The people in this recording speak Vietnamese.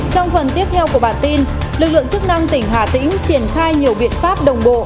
trong phần tiếp theo của bản tin lực lượng chức năng tỉnh hà tĩnh triển khai nhiều biện pháp đồng bộ